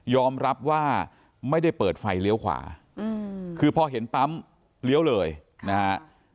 รับว่าไม่ได้เปิดไฟเลี้ยวขวาคือพอเห็นปั๊มเลี้ยวเลยนะฮะ